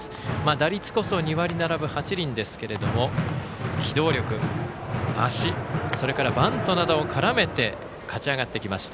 打率こそ２割７分８厘ですけども機動力、足それからバントなども絡めて勝ち上がってきました